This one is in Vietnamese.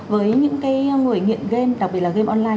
với những người nghiện game đặc biệt là game online